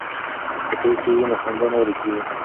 که ټوکې وي نو خندا نه ورکېږي.